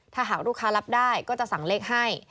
ถ้าหากลูกค้ารับได้ก็จะสั่งเลขให้